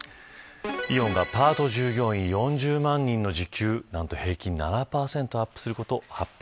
イオンがパート従業員４０万人の時給何と平均７％アップすることを発表。